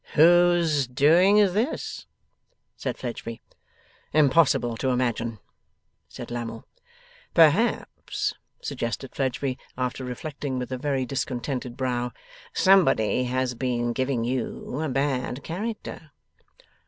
'Whose doing is this?' said Fledgeby. 'Impossible to imagine,' said Lammle. 'Perhaps,' suggested Fledgeby, after reflecting with a very discontented brow, 'somebody has been giving you a bad character.